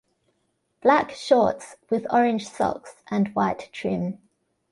Black shorts with orange socks and white trim.